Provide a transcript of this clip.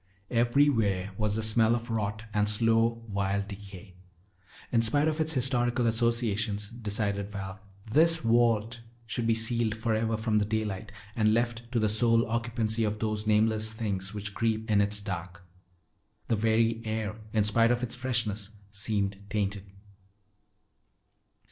Everywhere was the smell of rot and slow, vile decay. In spite of its historical associations, decided Val, this vault should be sealed forever from the daylight and left to the sole occupancy of those nameless things which creep in its dark. The very air, in spite of its freshness, seemed tainted.